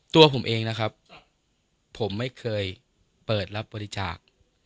ตัวผมเองนะครับผมไม่เคยเปิดรับบริจาค